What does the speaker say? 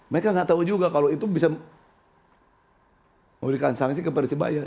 mereka nggak tahu juga kalau itu bisa memberikan sanksi ke persebaya